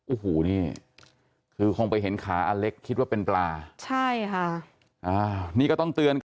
โอ้โหนี่คือคงไปเห็นขาอเล็กคิดว่าเป็นปลาใช่ค่ะอ่านี่ก็ต้องเตือนกัน